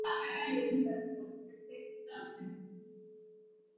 lakini ilinyakuliwa mwaka wa elfu moja na mia tisa na tano